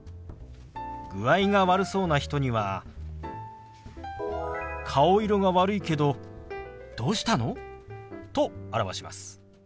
具合が悪そうな人には「顔色が悪いけどどうしたの？」と表します。